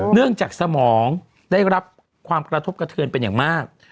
เนื่องจากสมองได้รับความกระทบกระเทือนเป็นอย่างมาก